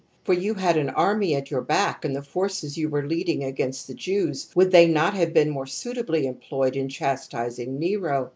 For you had an army at your back, and the forces you _ were leading against the Jews, would they not have been more suitably employed in chastising Nero?